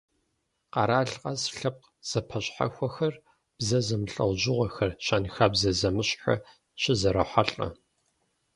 Къэрал къэс лъэпкъ зэпэщхьэхуэхэр, бзэ зэмылӏэужьыгъуэхэр, щэнхабзэ зэмыщхьхэр щызэрохьэлӏэ.